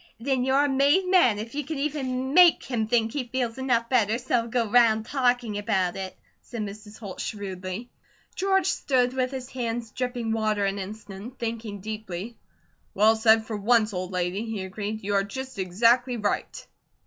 "Then you're a made man if you can even make him think he feels enough better so's he'll go round talking about it," said Mrs. Holt, shrewdly. George stood with his hands dripping water an instant, thinking deeply. "Well said for once, old lady," he agreed. "You are just exactly right."